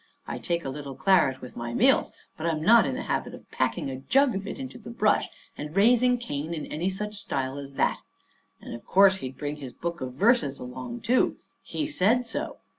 I take a little claret with my meals, but I'm not in the habit of packing a jug of it into the brush and raising Cain in any such style as that. And of course he'd bring his book of verses along, too. He said so.